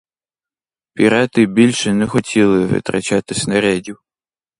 Пірати більше не хотіли витрачати снарядів.